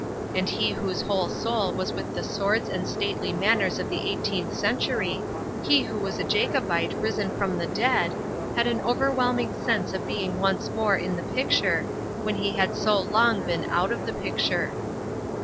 And he whose whole soul was with the swords and stately manners of the eighteenth century, he who was a Jacobite risen from the dead, had an overwhelming sense of being once more in the picture, when he had so long been out of the picture.